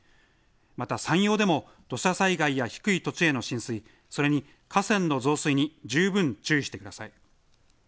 また山陽でも土砂災害や低い土地への浸水、それに河川の増水に十分注意してください。